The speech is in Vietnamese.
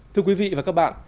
thưa quý vị và các bạn